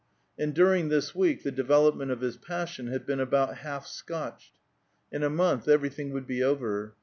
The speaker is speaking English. And during this week the development of his passion had been about half scotched ; in a month everything would be over.